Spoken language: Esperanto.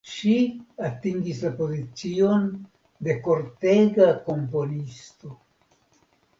Ŝi atingis la pozicion de kortega komponisto.